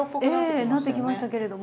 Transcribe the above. ええなってきましたけれども。